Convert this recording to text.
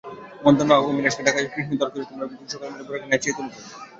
মধ্যাহ্নে অবিনাশকে ডাকাইয়া কৃষ্ণদয়াল কহিলেন, তোমরাই বুঝি সকলে মিলে গোরাকে নাচিয়ে তুলেছ।